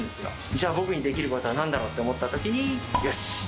じゃあ、僕にできることはなんだろうって思ったときに、よし！